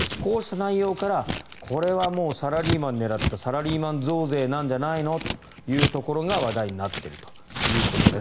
こうした内容からこれはサラリーマン狙ったサラリーマン増税なんじゃないのというところが話題になっているということです。